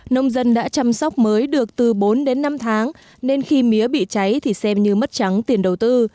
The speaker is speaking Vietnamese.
nông dân đã chăm sóc mới được từ bốn đến năm tháng nên khi mía bị cháy thì xem như mất trắng tiền đầu tư